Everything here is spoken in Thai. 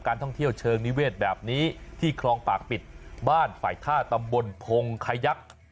ท่องเที่ยวเชิงนิเวศแบบนี้ที่คลองปากปิดบ้านฝ่ายท่าตำบลพงขยัก